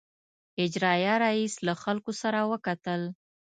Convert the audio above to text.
اجرائیه رییس له خلکو سره وکتل.